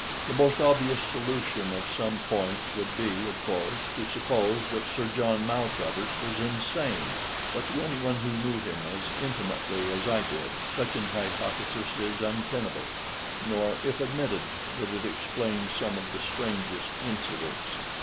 The most obvious solution of some points would be, of course, to suppose that Sir John Maltravers was insane. But to anyone who knew him as intimately as I did, such an hypothesis is untenable; nor, if admitted, would it explain some of the strangest incidents.